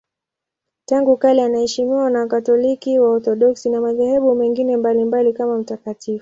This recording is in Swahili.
Tangu kale anaheshimiwa na Wakatoliki, Waorthodoksi na madhehebu mengine mbalimbali kama mtakatifu.